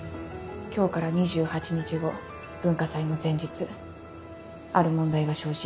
今日から２８日後文化祭の前日ある問題が生じ